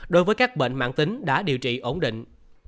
đối với các bệnh mạng tính đã điều trị ổn định